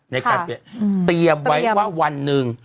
ในการเปลี่ยนเตรียมไว้ว่าวันหนึ่ง